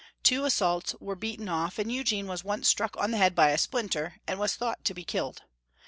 Two assaults were beaten off, and Eugene was once struck on the head by a splinter, and was thought to be killed.